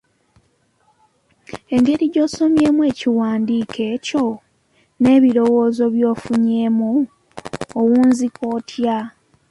Engeri gy'osomyemu ekiwandiiko ekyo, n'ebirowoozo by'ofunyeemu, owunzika otya?